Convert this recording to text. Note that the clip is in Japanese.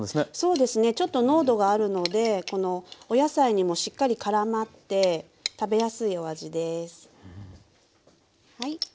そうですねちょっと濃度があるのでお野菜にもしっかりからまって食べやすいお味です。